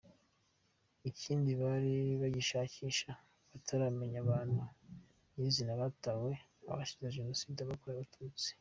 Ikindi bari bagishakisha bataramenya ahantu nyirizina hatawe abazize Jenoside yakorewe Abatutsi.